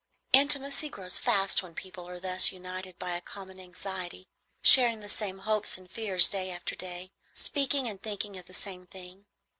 Intimacy grows fast when people are thus united by a common anxiety, sharing the same hopes and fears day after day, speaking and thinking of the same thing.